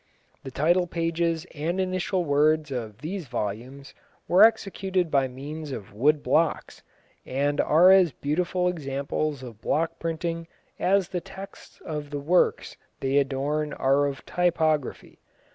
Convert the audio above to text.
The title pages and initial words of these volumes were executed by means of wood blocks, and are as beautiful examples of block printing as the texts of the works they adorn are of typography.